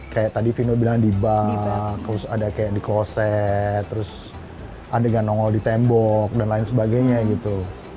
kayak tadi vino bilang di bak terus ada kayak di kloset terus adegan nongol di tembok dan lain sebagainya gitu